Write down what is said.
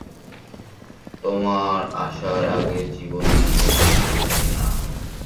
তোমার আসার আগের জীবনে আমি ফিরতে চাই না।